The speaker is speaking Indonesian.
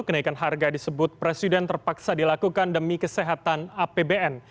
kenaikan harga disebut presiden terpaksa dilakukan demi kesehatan apbn